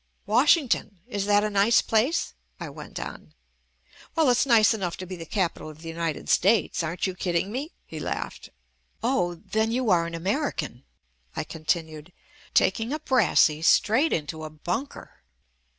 "Washington! Is that a nice plaice?" I went on. "Well, it's nice enough to be the capital JUST ME of the United States. Aren't you kidding me?" he laughed. "Oh, then you are an American," I continued, taking a brassie straight into a bunker.